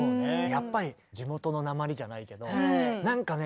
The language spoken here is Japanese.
やっぱり地元のなまりじゃないけどなんかね